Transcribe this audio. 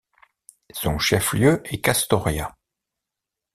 Son chef-lieu est Kastoria.